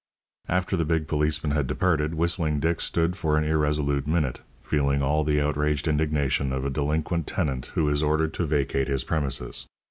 After the big policeman had departed, Whistling Dick stood for an irresolute minute, feeling all the outraged indignation of a delinquent tenant who is ordered to vacate his premises.